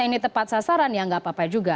ini tepat sasaran ya nggak apa apa juga